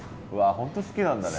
本当好きなんだね。